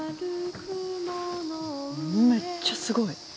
めっちゃすごい。